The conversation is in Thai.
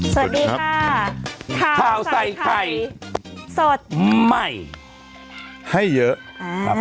สวัสดีค่ะข้าวใส่ไข่สดใหม่ให้เยอะครับ